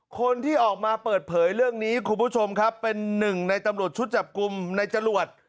คนที่ออกมาเปิดเผยเรื่องนี้คุณผู้ชมครับเป็นหนึ่งในตำรวจชุดจับกลุ่มในจรวด